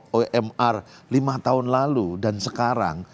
tapi teknologi membaca ocr atau omr lima tahun lalu dan sekarang